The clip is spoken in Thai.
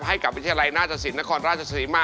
ให้กับวิทยาลัยหน้าตสินนครราชศรีมา